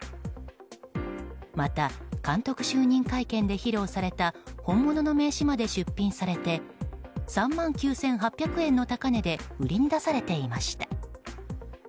また、監督就任会見で披露された本物の名刺まで出品されて３万９８００円の高値で売りに出されていました。